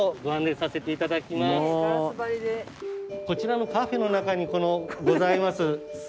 こちらのカフェの中にございます